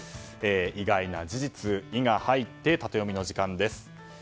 意外な事実の「イ」が入ってタテヨミの時間です。